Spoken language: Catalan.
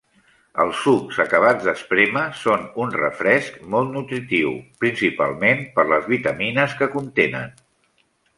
Els sucs acabats d'esprémer són un refresc molt nutritiu, principalment per les vitamines que contenen.